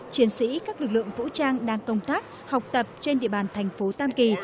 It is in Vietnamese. chiến sĩ các lực lượng vũ trang đang công tác học tập trên địa bàn tp tam kỳ